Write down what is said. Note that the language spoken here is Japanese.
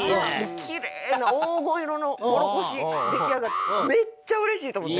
きれいな黄金色のもろこし出来上がってめっちゃ嬉しいと思って。